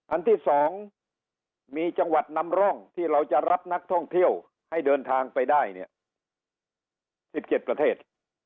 อันที่๒มีจังหวัดนำร่องที่เราจะรับนักท่องเที่ยวให้เดินทางไปได้เนี่ย๑๗ประเทศ